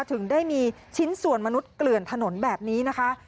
ถึงได้มีชิ้นส่วนมนุษย์เกลื่อนถนนแบบนี้นะคะ